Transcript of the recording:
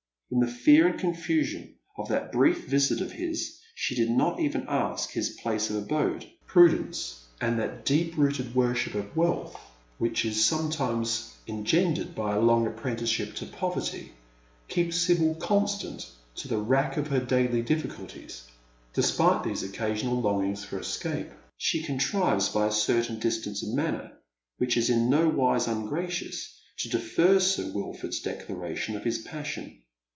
In the fear and confusion of til at jriof visit of his she did not even ask his place of abode w mode of life. Prudence and that deep rooted worship of wealth which is 182 Dead lien's Shoes. BOTnctlnns engendered by a long apprenticeship to poverty keep* Sibyl ooofitarit to the rack of her daily difficulties, despite these occasional longings for escape. She contrives by a certain dis tance of manner, which is in no wise ungracious, to defer Sir "Wilford'a declaration of his passion.